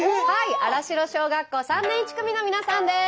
新城小学校３年１組の皆さんです。